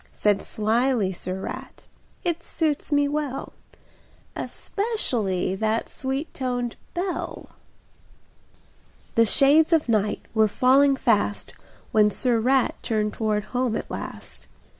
Said sly Sir Rat: "It suits me well, Especially that sweet toned bell." [Pg 36] The shades of night were falling fast When Sir Rat turned toward home at last.